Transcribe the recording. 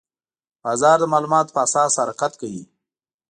بازار د معلوماتو په اساس حرکت کوي.